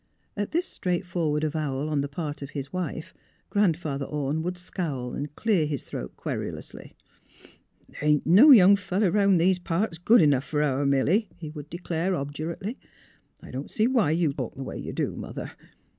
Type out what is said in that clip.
At this straightforward avowal on the part of his wife Grandfather Orne would scowl and clear his throat querulously. THE ORNES 87 " The' ain't no young fellow 'round these parts good enough fer our Milly," he would declare, obdurately. " I don't see why you talk the way you do, Mother.